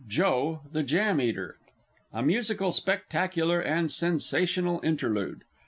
II. JOE, THE JAM EATER. _A MUSICAL SPECTACULAR AND SENSATIONAL INTERLUDE.